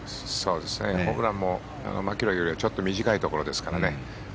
ホブランも、マキロイよりちょっと短いところですからね。